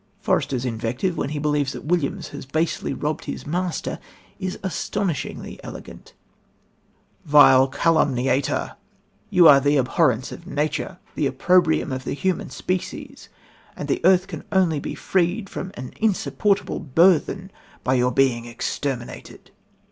Forester's invective, when he believes that Williams has basely robbed his master is astonishingly elegant: "Vile calumniator! You are the abhorrence of nature, the opprobrium of the human species and the earth can only be freed from an insupportable burthen by your being exterminated."